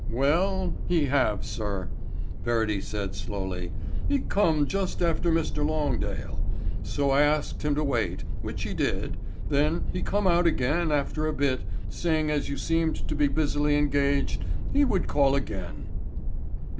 "Well, he have, sir," Verity said slowly, "he come just after Mr Longdale. So I asked him to wait, which he did, then he come out again after a bit, saying as you seemed to be busily engaged he would call again."